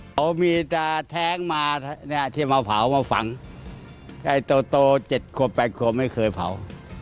เขามีแท้งมาที่เผามาฝังตัวโต๗๘ขวบไม่เคยเผา